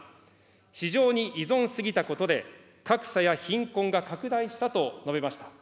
市場に依存し過ぎたことで、格差や貧困が拡大したと述べました。